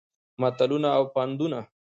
متلونه او پندونه